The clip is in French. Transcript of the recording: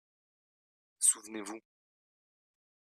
Souvenez-vous.